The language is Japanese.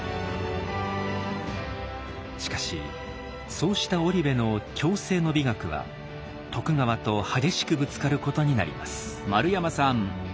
しかしそうした織部の「共生の美学」は徳川と激しくぶつかることになります。